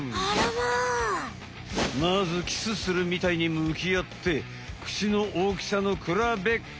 まずキスするみたいにむきあって口の大きさのくらべっこ！